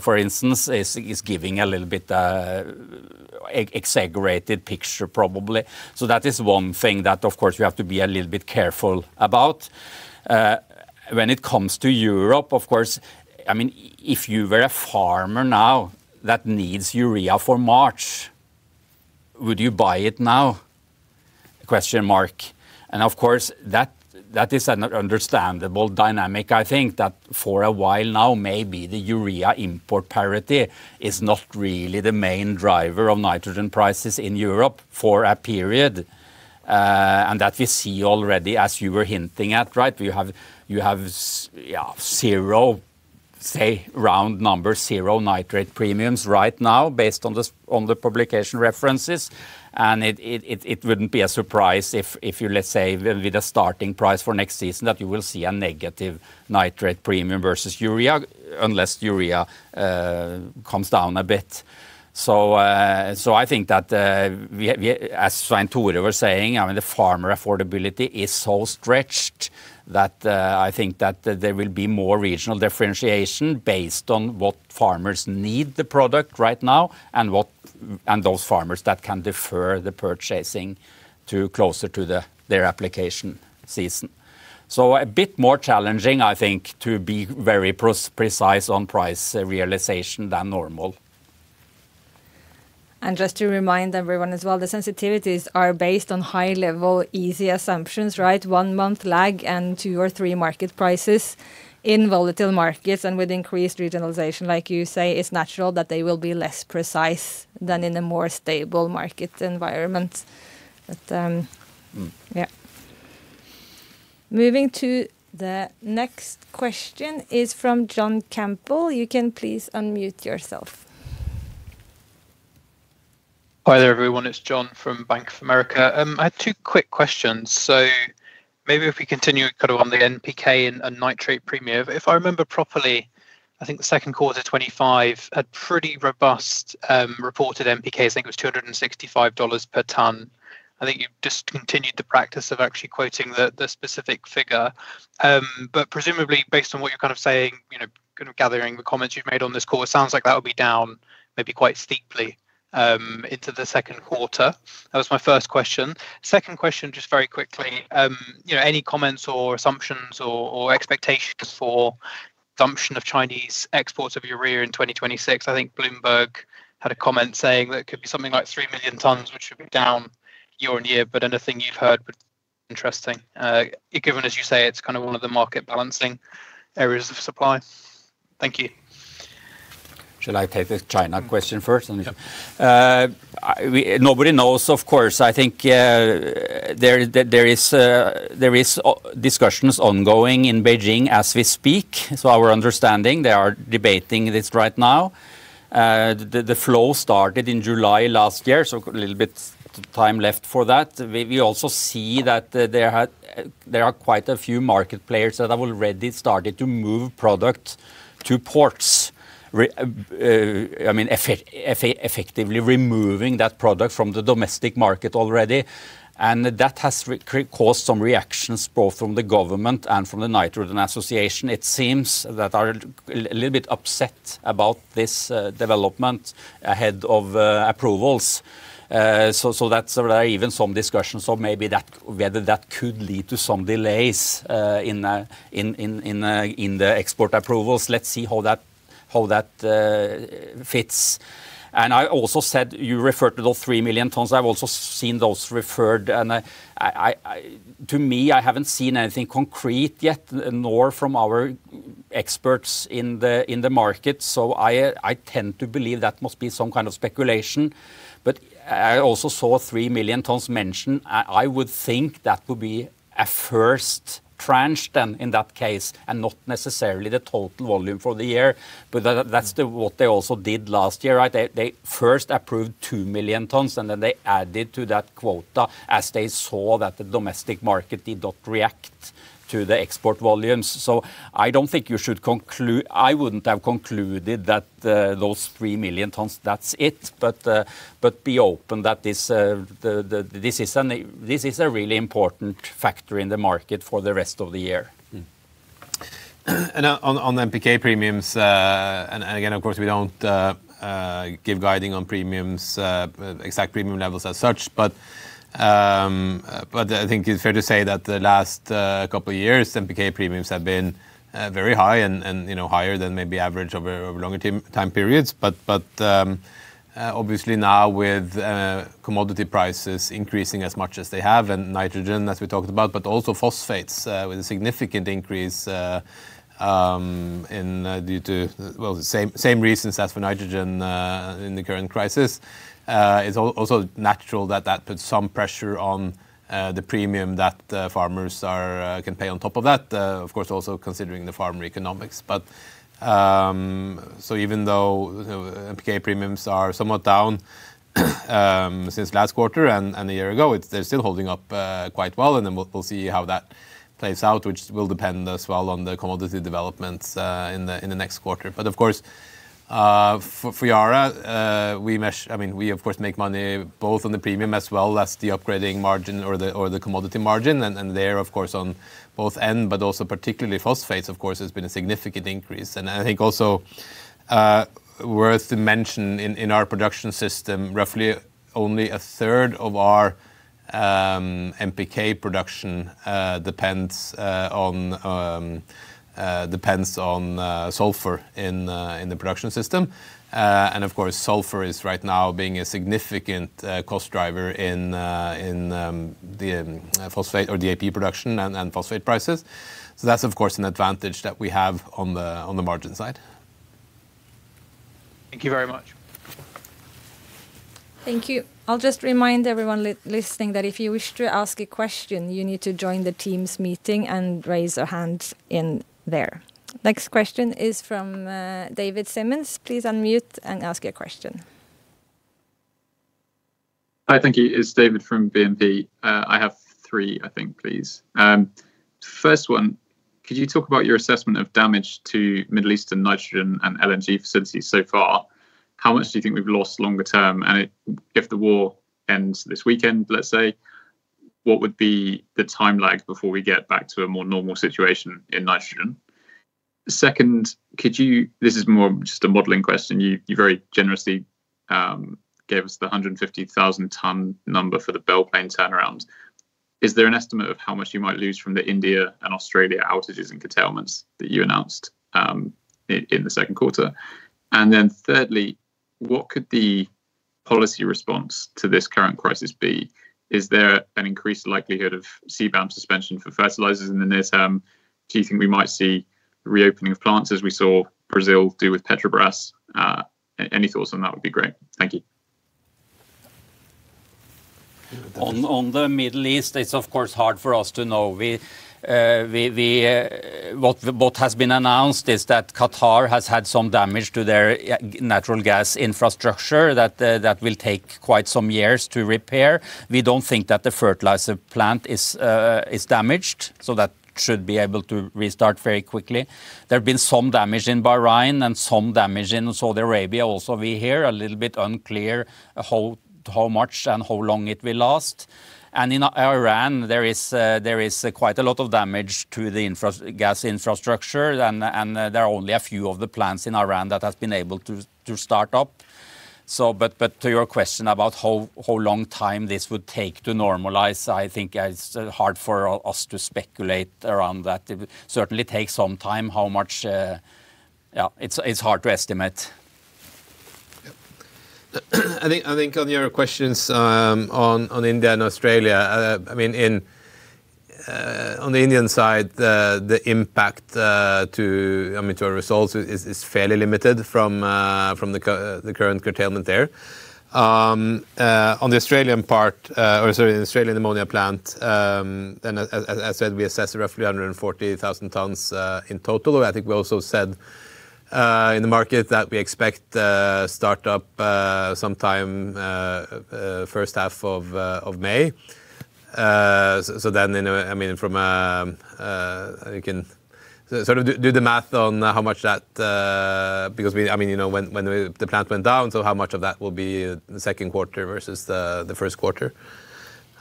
E: for instance, is giving a little bit exaggerated picture probably. That is one thing that, of course, we have to be a little bit careful about. When it comes to Europe, of course, if you were a farmer now that needs urea for March, would you buy it now? Of course, that is an understandable dynamic. I think that for a while now, maybe the urea import parity is not really the main driver of nitrogen prices in Europe for a period. That we see already, as you were hinting at, right? You have, yeah, zero, say, round number, zero nitrate premiums right now based on the publication references. It wouldn't be a surprise if you, let's say, with the starting price for next season, that you will see a negative nitrate premium versus urea, unless urea comes down a bit. I think that as Svein Tore was saying, the farmer affordability is so stretched that I think that there will be more regional differentiation based on what farmers need the product right now and those farmers that can defer the purchasing to closer to their application season. A bit more challenging, I think, to be very precise on price realization than normal.
A: Just to remind everyone as well, the sensitivities are based on high-level easy assumptions, right? One month lag and two or three market prices in volatile markets and with increased regionalization, like you say, it's natural that they will be less precise than in a more stable market environment. Yeah. Moving to the next question is from John Campbell. You can please unmute yourself.
G: Hi there, everyone. It's John from Bank of America. I had two quick questions. Maybe if we continue kind of on the NPK and nitrate premium. If I remember properly, I think the second quarter 2025 had pretty robust reported NPKs. I think it was $265 per ton. I think you've discontinued the practice of actually quoting the specific figure. Presumably based on what you're kind of saying, kind of gathering the comments you've made on this call, it sounds like that'll be down maybe quite steeply into the second quarter. That was my first question. Second question, just very quickly, any comments or assumptions or expectations for assumption of Chinese exports of urea in 2026? I think Bloomberg had a comment saying that it could be something like 3 million tons, which would be down year-on-year. Anything you've heard would be interesting, given, as you say, it's kind of one of the market balancing areas of supply. Thank you.
E: Should I take the China question first?
C: Yeah.
E: Nobody knows, of course. I think there are discussions ongoing in Beijing as we speak. It's our understanding they are debating this right now. The flow started in July last year, so a little bit of time left for that. We also see that there are quite a few market players that have already started to move product to ports, effectively removing that product from the domestic market already. That has caused some reactions both from the government and from the Nitrogen Association. It seems they are a little bit upset about this development ahead of approvals. There are even some discussions of maybe whether that could lead to some delays in the export approvals. Let's see how that fits. I also said you referred to the 3 million tons. I've also seen those referred, and to me, I haven't seen anything concrete yet, nor from our experts in the market. I tend to believe that must be some kind of speculation. I also saw 3 million tons mentioned. I would think that would be a first tranche then in that case, and not necessarily the total volume for the year. That's what they also did last year, right? They first approved 2 million tons, and then they added to that quota as they saw that the domestic market did not react to the export volumes. I wouldn't have concluded that those 3 million tons, that's it, be open that this is a really important factor in the market for the rest of the year.
C: On the NPK premiums, and again, of course, we don't give guidance on exact premium levels as such. I think it's fair to say that the last couple of years, NPK premiums have been very high and higher than maybe average over longer time periods. Obviously now with commodity prices increasing as much as they have and nitrogen as we talked about, but also phosphates with a significant increase, due to, well, the same reasons as for nitrogen in the current crisis. It's also natural. That puts some pressure on the premium that farmers can pay on top of that, of course, also considering the farmer economics. Even though NPK premiums are somewhat down since last quarter and a year ago, they're still holding up quite well and then we'll see how that plays out, which will depend as well on the commodity developments in the next quarter. Of course, for Yara, we of course make money both on the premium as well as the upgrading margin or the commodity margin. There, of course, on both end, but also particularly phosphates, of course, has been a significant increase. I think also worth to mention in our production system, roughly only a third of our NPK production depends on sulfur in the production system. Of course, sulfur is right now being a significant cost driver in the phosphate or the AP production and phosphate prices. That's of course an advantage that we have on the margin side.
G: Thank you very much.
A: Thank you. I'll just remind everyone listening that if you wish to ask a question, you need to join the Teams meeting and raise your hand in there. Next question is from David Symonds. Please unmute and ask your question.
H: Hi, thank you. It's David from BNP. I have three, I think, please. First one, could you talk about your assessment of damage to Middle Eastern nitrogen and LNG facilities so far? How much do you think we've lost longer term? If the war ends this weekend, let's say, what would be the time lag before we get back to a more normal situation in nitrogen? Second, this is more just a modeling question. You very generously gave us the 150,000-ton number for the Belle Plaine turnaround. Is there an estimate of how much you might lose from the India and Australia outages and curtailments that you announced in the second quarter? Then thirdly, what could the policy response to this current crisis be? Is there an increased likelihood of CBAM suspension for fertilizers in the near term? Do you think we might see reopening of plants as we saw Brazil do with Petrobras? Any thoughts on that would be great. Thank you.
E: On the Middle East, it's of course hard for us to know. What has been announced is that Qatar has had some damage to their natural gas infrastructure that will take quite some years to repair. We don't think that the fertilizer plant is damaged, so that should be able to restart very quickly. There have been some damage in Bahrain and some damage in Saudi Arabia also. We hear a little bit unclear how much and how long it will last. In Iran, there is quite a lot of damage to the gas infrastructure and there are only a few of the plants in Iran that has been able to start up. To your question about how long time this would take to normalize, I think it's hard for us to speculate around that. It will certainly take some time. How much? Yeah, it's hard to estimate.
C: I think on your questions on India and Australia. On the Indian side, the impact to our results is fairly limited from the current curtailment there. On the Australian part, or sorry, the Australian ammonia plant, and as I said, we assess roughly 140,000 tons in total. I think we also said in the market that we expect startup sometime first half of May. You can do the math on how much that, because when the plant went down, so how much of that will be the second quarter versus the first quarter.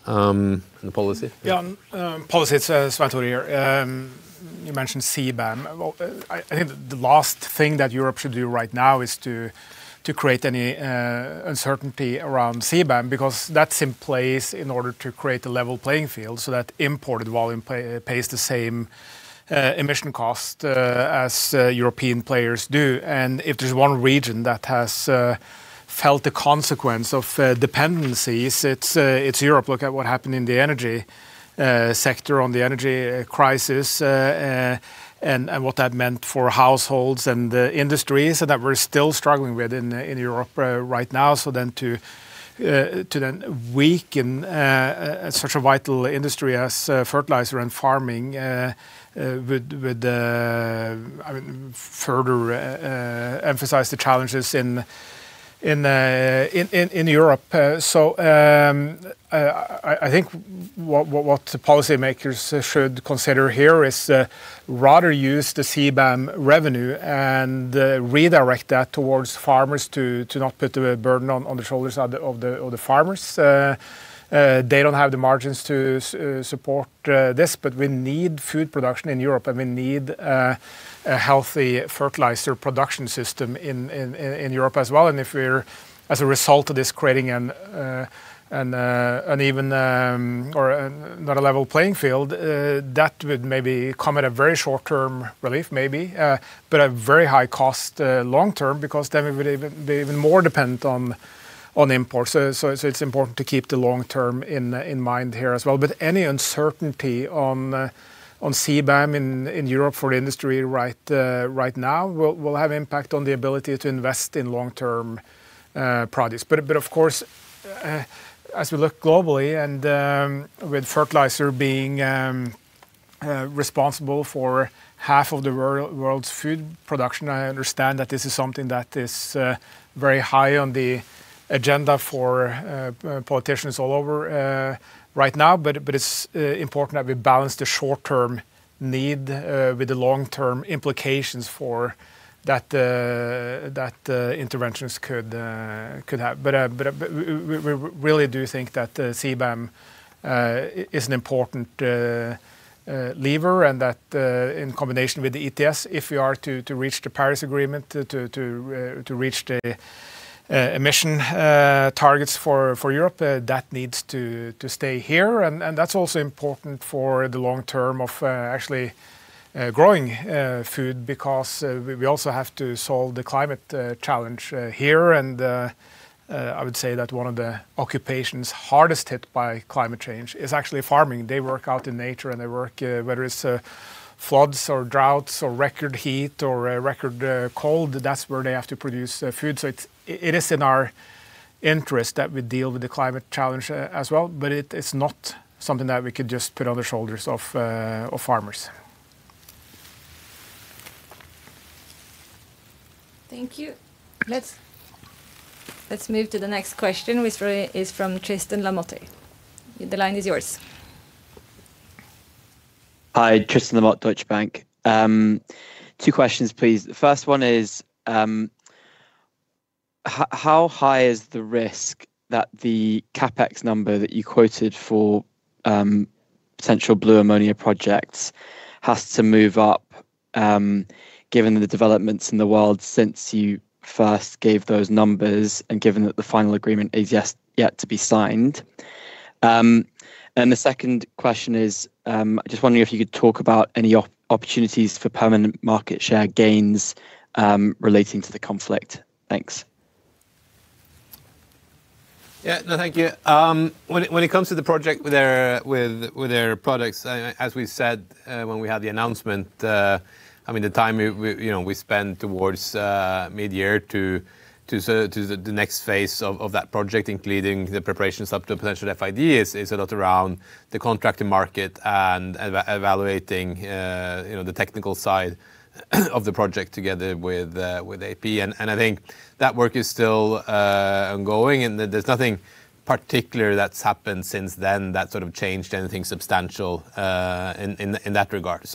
C: On the policy?
B: Yeah, on policy, it's Svein Tore here. You mentioned CBAM. I think the last thing that Europe should do right now is to create any uncertainty around CBAM, because that's in place in order to create a level playing field so that imported volume pays the same emission cost as European players do. If there's one region that has felt the consequence of dependencies. It's Europe. Look at what happened in the energy sector on the energy crisis and what that meant for households and industries, and that we're still struggling with in Europe right now. To then weaken such a vital industry as fertilizer and farming would further emphasize the challenges in Europe. I think what policymakers should consider here is rather use the CBAM revenue and redirect that towards farmers to not put the burden on the shoulders of the farmers. They don't have the margins to support this. We need food production in Europe, and we need a healthy fertilizer production system in Europe as well. If we're, as a result of this, creating an even or not a level playing field, that would maybe come at a very short term relief maybe, but a very high cost long term, because then we'd be even more dependent on imports. It's important to keep the long term in mind here as well. Any uncertainty on CBAM in Europe for the industry right now will have impact on the ability to invest in long term projects. Of course, as we look globally and with fertilizer being responsible for half of the world's food production, I understand that this is something that is very high on the agenda for politicians all over right now. It's important that we balance the short term need with the long term implications for that interventions could have. We really do think that CBAM is an important lever and that in combination with the ETS, if we are to reach the Paris Agreement, to reach the emission targets for Europe, that needs to stay here. That's also important for the long term of actually growing food, because we also have to solve the climate challenge here. I would say that one of the occupations hardest hit by climate change is actually farming. They work out in nature, and they work whether it's floods or droughts or record heat or record cold, that's where they have to produce food. It is in our interest that we deal with the climate challenge as well. It is not something that we could just put on the shoulders of farmers.
A: Thank you. Let's move to the next question, which is from Tristan Lamotte. The line is yours.
I: Hi, Tristan Lamotte, Deutsche Bank. Two questions, please. The first one is how high is the risk that the CapEx number that you quoted for potential blue ammonia projects has to move up given the developments in the world since you first gave those numbers and given that the final agreement is yet to be signed? The second question is I'm just wondering if you could talk about any opportunities for permanent market share gains relating to the conflict. Thanks.
C: Yeah. No, thank you. When it comes to the project with our products, as we said when we had the announcement, the time we spent towards mid-year to the next phase of that project, including the preparations up to a potential FID, is a lot around the contracting market and evaluating the technical side of the project together with AP. I think that work is still ongoing, and there's nothing particular that's happened since then that sort of changed anything substantial in that regard.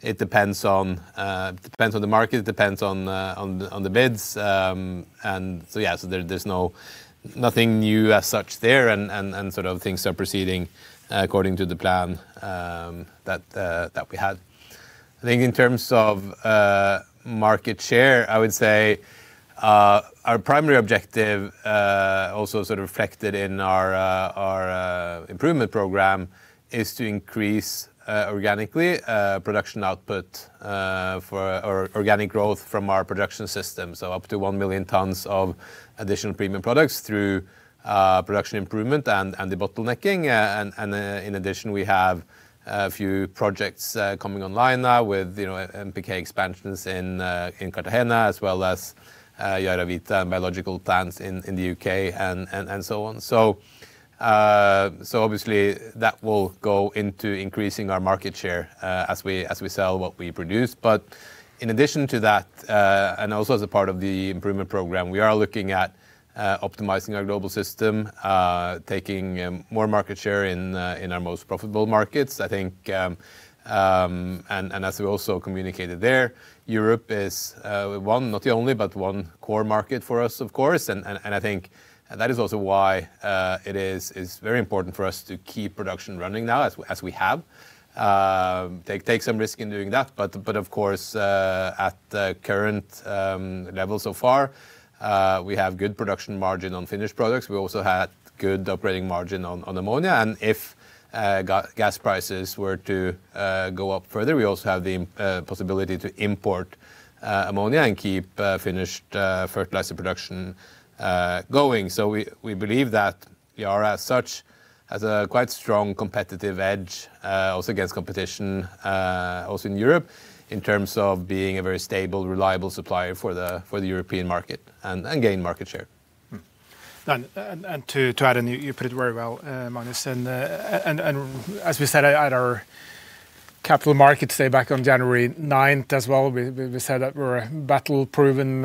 C: It depends on the market, it depends on the bids. Yeah, so there's nothing new as such there, and things are proceeding according to the plan that we had. I think in terms of market share, I would say our primary objective, also sort of reflected in our improvement program, is to increase organically production output for our organic growth from our production system. Up to 1 million tons of additional premium products through production improvement and the bottlenecking. In addition, we have a few projects coming online now with NPK expansions in Cartagena as well as YaraVita biological plants in the U.K. and so on. Obviously that will go into increasing our market share as we sell what we produce. In addition to that, and also as a part of the improvement program, we are looking at optimizing our global system, taking more market share in our most profitable markets. I think, and as we also communicated there, Europe is one, not the only, but one core market for us, of course. I think that is also why it is very important for us to keep production running now as we have. Take some risk in doing that. Of course, at the current level so far, we have good production margin on finished products. We also had good operating margin on ammonia, and if gas prices were to go up further, we also have the possibility to import ammonia and keep finished fertilizer production going. We believe that Yara as such has a quite strong competitive edge, also against competition, also in Europe, in terms of being a very stable, reliable supplier for the European market and gain market share.
B: To add, you put it very well, Magnus. As we said at our capital markets day back on January 9th as well, we said that we're a battle-proven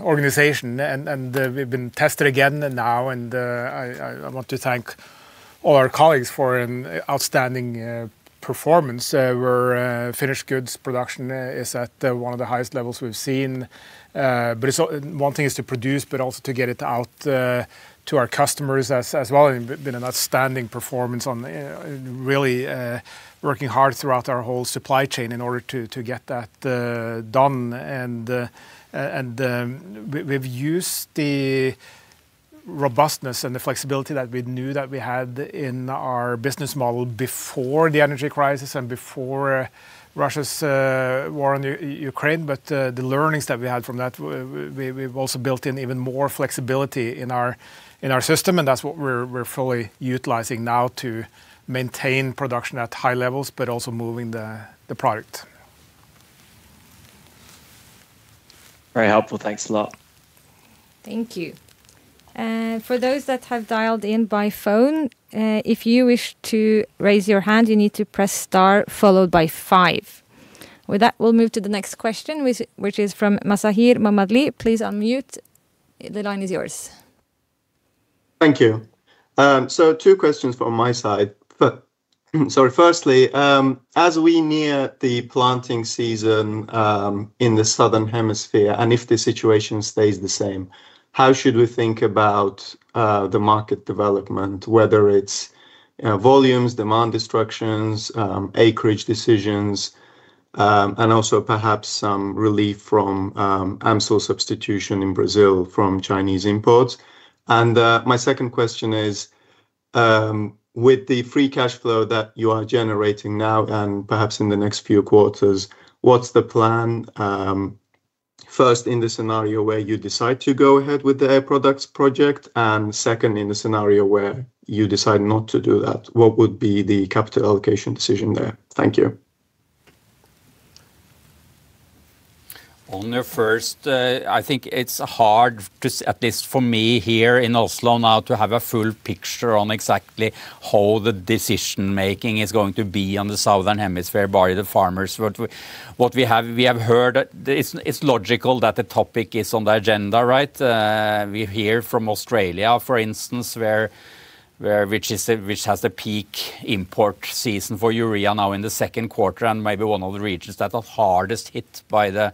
B: organization, and we've been tested again now. I want to thank all our colleagues for an outstanding performance. Our finished goods production is at one of the highest levels we've seen. One thing is to produce, but also to get it out to our customers as well, and it's been an outstanding performance on really working hard throughout our whole supply chain in order to get that done. We've used the robustness and the flexibility that we knew that we had in our business model before the energy crisis and before Russia's war on Ukraine. The learnings that we had from that, we've also built in even more flexibility in our system. That's what we're fully utilizing now to maintain production at high levels, but also moving the product.
I: Very helpful. Thanks a lot.
A: Thank you. For those that have dialed in by phone, if you wish to raise your hand, you need to press star followed by five. With that, we'll move to the next question, which is from Mazahir Mammadli. Please unmute. The line is yours.
J: Thank you. Two questions from my side. Firstly, as we near the planting season in the southern hemisphere, and if the situation stays the same, how should we think about the market development, whether it's volumes, demand destructions, acreage decisions, and also perhaps some relief from AmSul substitution in Brazil from Chinese imports? And my second question is, with the free cash flow that you are generating now and perhaps in the next few quarters, what's the plan, first in the scenario where you decide to go ahead with the Air Products project, and second in the scenario where you decide not to do that? What would be the capital allocation decision there? Thank you.
E: On your first, I think it's hard to, at least for me here in Oslo now, to have a full picture on exactly how the decision making is going to be on the southern hemisphere by the farmers. What we have heard, it's logical that the topic is on the agenda, right? We hear from Australia, for instance, which has the peak import season for urea now in the second quarter and maybe one of the regions that are hardest hit by the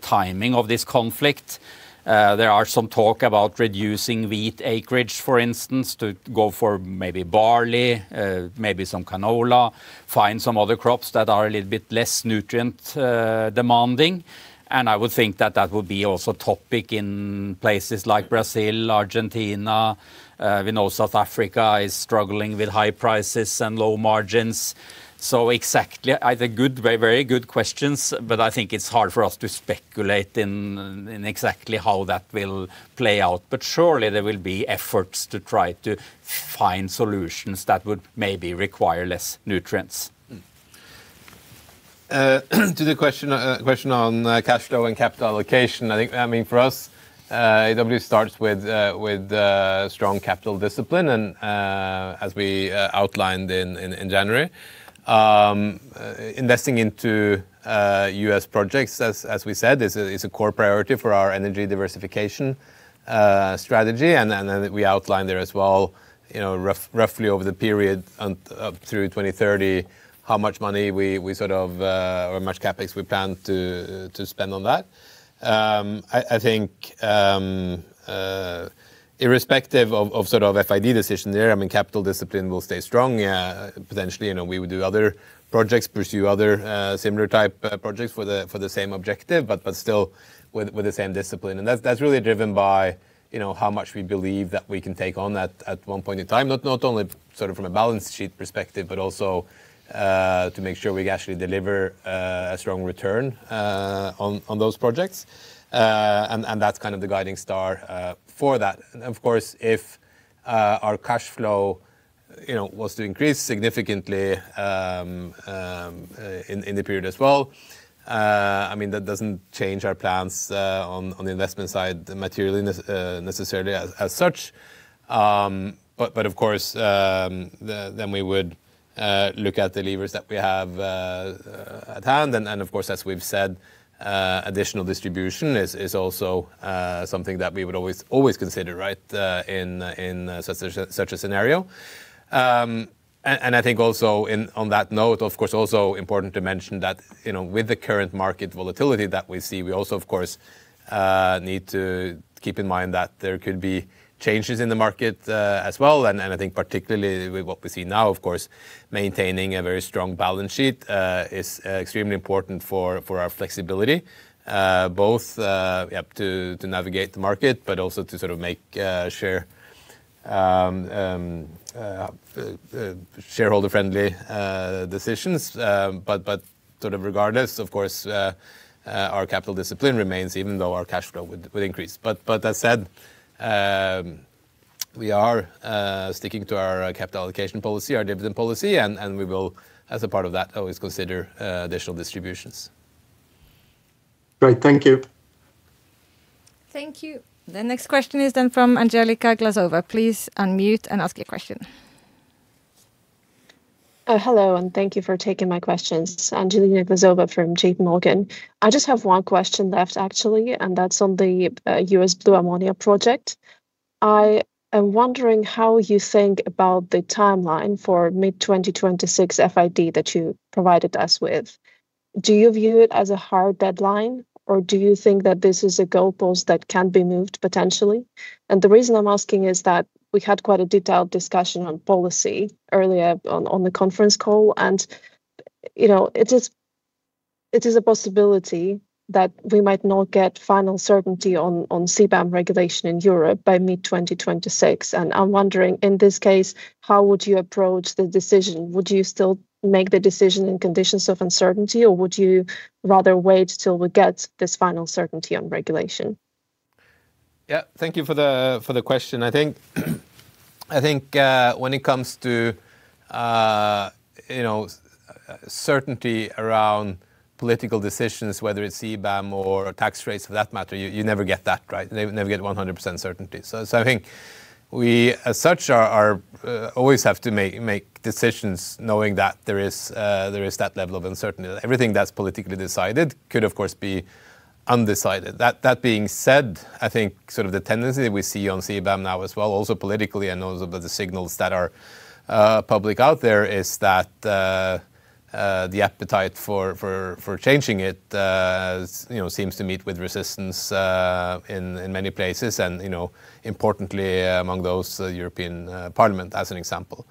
E: timing of this conflict. There are some talk about reducing wheat acreage, for instance, to go for maybe barley, maybe some canola, find some other crops that are a little bit less nutrient demanding. I would think that that will be also topic in places like Brazil, Argentina. We know South Africa is struggling with high prices and low margins. Exactly, very good questions, but I think it's hard for us to speculate in exactly how that will play out. Surely there will be efforts to try to find solutions that would maybe require less nutrients.
C: To the question on cash flow and capital allocation, I think, for us, it all starts with strong capital discipline and as we outlined in January, investing into U.S. projects, as we said, is a core priority for our energy diversification strategy. We outlined there as well, roughly over the period up through 2030, how much money or how much CapEx we plan to spend on that. I think irrespective of FID decision there, capital discipline will stay strong. Potentially, we would do other projects, pursue other similar type projects for the same objective, but still with the same discipline. That's really driven by how much we believe that we can take on at one point in time, not only from a balance sheet perspective, but also to make sure we actually deliver a strong return on those projects. That's kind of the guiding star for that. Of course, if our cash flow was to increase significantly in the period as well, that doesn't change our plans on the investment side materially necessarily as such. Of course, then we would look at the levers that we have at hand. Of course, as we've said, additional distribution is also something that we would always consider, right, in such a scenario. I think also on that note, of course, also important to mention that with the current market volatility that we see, we also, of course, need to keep in mind that there could be changes in the market as well. I think particularly with what we see now, of course, maintaining a very strong balance sheet is extremely important for our flexibility, both to navigate the market, but also to make shareholder-friendly decisions. Regardless, of course our capital discipline remains even though our cash flow would increase. That said, we are sticking to our capital allocation policy, our dividend policy, and we will, as a part of that, always consider additional distributions.
J: Great. Thank you.
A: Thank you. The next question is from Angelina Glazova. Please unmute and ask your question.
K: Hello, and thank you for taking my questions. Angelina Glazova from JPMorgan. I just have one question left, actually, and that's on the U.S. blue ammonia project. I am wondering how you think about the timeline for mid-2026 FID that you provided us with. Do you view it as a hard deadline, or do you think that this is a goal post that can be moved potentially? The reason I'm asking is that we had quite a detailed discussion on policy earlier on the conference call, and it is a possibility that we might not get final certainty on CBAM regulation in Europe by mid-2026. I'm wondering, in this case, how would you approach the decision? Would you still make the decision in conditions of uncertainty, or would you rather wait till we get this final certainty on regulation?
C: Yeah. Thank you for the question. I think when it comes to certainty around political decisions, whether it's CBAM or tax rates for that matter, you never get that. You never get 100% certainty. I think we, as such, always have to make decisions knowing that there is that level of uncertainty. Everything that's politically decided could, of course, be undecided. That being said, I think the tendency we see on CBAM now as well, also politically and also by the signals that are public out there, is that the appetite for changing it seems to meet with resistance in many places, and importantly among those, the European Parliament as an example.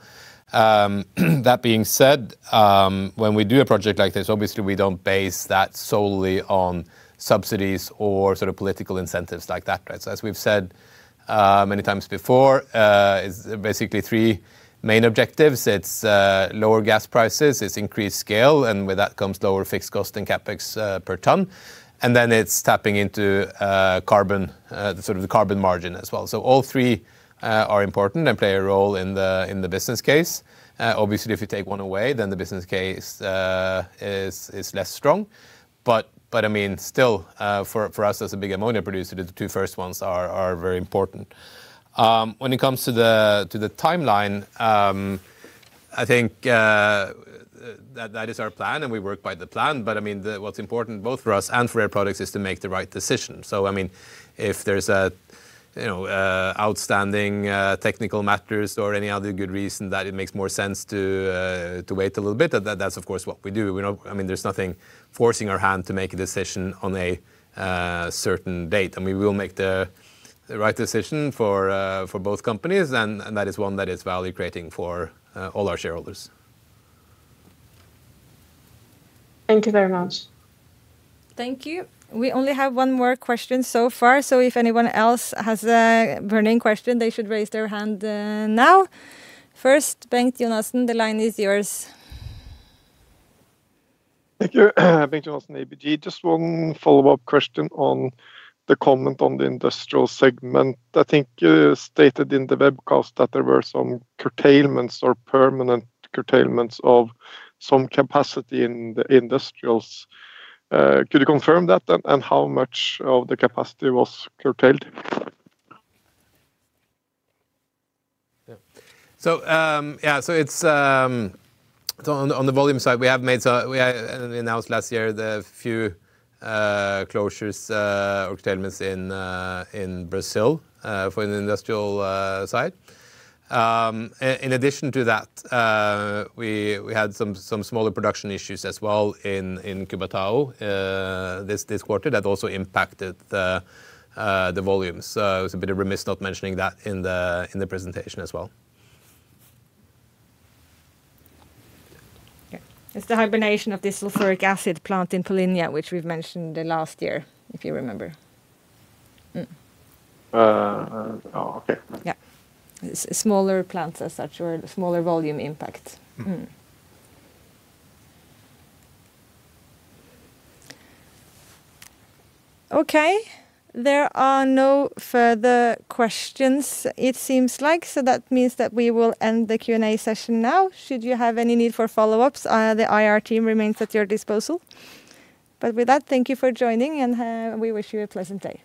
C: That being said, when we do a project like this, obviously we don't base that solely on subsidies or political incentives like that. As we've said many times before, it's basically three main objectives. It's lower gas prices, it's increased scale, and with that comes lower fixed cost and CapEx per ton. Then it's tapping into the carbon margin as well. All three are important and play a role in the business case. Obviously, if you take one away, then the business case is less strong. Still, for us as a big ammonia producer, the two first ones are very important. When it comes to the timeline, I think that is our plan and we work by the plan, but what's important both for us and for Air Products is to make the right decision. If there's outstanding technical matters or any other good reason that it makes more sense to wait a little bit, that's of course what we do. There's nothing forcing our hand to make a decision on a certain date, and we will make the right decision for both companies, and that is one that is value-creating for all our shareholders.
K: Thank you very much.
A: Thank you. We only have one more question so far, so if anyone else has a burning question, they should raise their hand now. First, Bengt Jonassen, the line is yours.
L: Thank you. Bengt Jonassen, ABG. Just one follow-up question on the comment on the industrial segment. I think you stated in the webcast that there were some curtailments or permanent curtailments of some capacity in the industrials. Could you confirm that and how much of the capacity was curtailed?
C: Yeah. On the volume side, we announced last year the few closures or curtailments in Brazil for the industrial side. In addition to that, we had some smaller production issues as well in Cubatão this quarter that also impacted the volumes. It was a bit remiss not mentioning that in the presentation as well.
A: Yeah. It's the hibernation of the sulfuric acid plant in Paulínia, which we've mentioned the last year, if you remember.
L: Oh, okay.
A: Yeah. It's a smaller plant as such, or the smaller volume impact. Okay. There are no further questions it seems like, so that means that we will end the Q&A session now. Should you have any need for follow-ups, the IR team remains at your disposal. With that, thank you for joining and we wish you a pleasant day. Thank you.